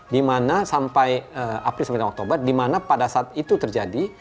dimana sampai april sampai dengan oktober di mana pada saat itu terjadi